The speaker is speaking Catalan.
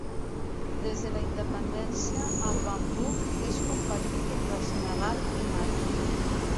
Des de la independència, el Bambouk és compartit entre el Senegal i Mali.